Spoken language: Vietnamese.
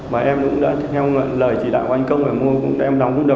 và em cũng đã theo lời chỉ đạo của anh công để mua em đóng vũ trụ